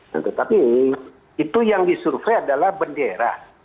nah tetapi itu yang disurvey adalah bendera